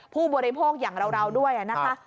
ผู้บริโภคอย่างเราด้วยนะคะ